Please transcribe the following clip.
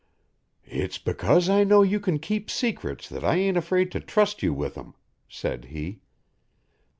"It's because I know you can keep secrets that I ain't afraid to trust you with 'em," said he.